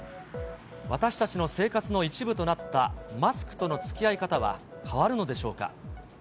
私たちの生活の一部となったマスクとのつきあい方は変わるのでしょうか。